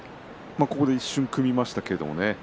一瞬組みましたけどね